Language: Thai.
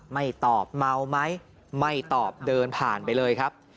ไม่ตอบเมาไหมไม่ตอบเดินผ่านไปเลยครับ